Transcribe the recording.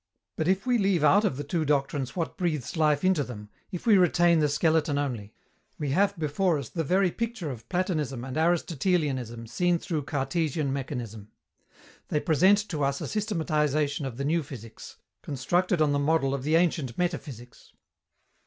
But if we leave out of the two doctrines what breathes life into them, if we retain the skeleton only, we have before us the very picture of Platonism and Aristotelianism seen through Cartesian mechanism. They present to us a systematization of the new physics, constructed on the model of the ancient metaphysics.